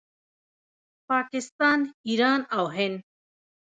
پاکستان، ایران او هند